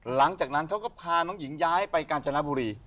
หลังจากนั้นเขาก็พาน้องหญิงย้ายไปกาญจนบุรี